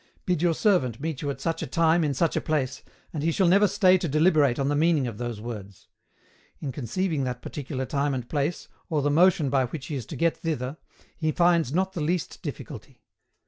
Bid your servant meet you at such a time in such a place, and he shall never stay to deliberate on the meaning of those words; in conceiving that particular time and place, or the motion by which he is to get thither, he finds not the least difficulty.